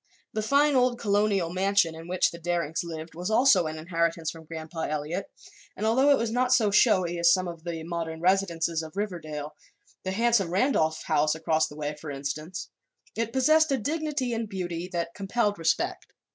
The fine old colonial mansion in which the Darings lived was also an inheritance from Grandpa Eliot, and although it was not so showy as some of the modern residences of Riverdale the handsome Randolph house across the way, for instance it possessed a dignity and beauty that compelled respect.